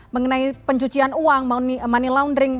mengenai pencucian uang money laundering